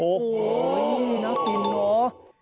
โอ้โหน่ากินเนอะ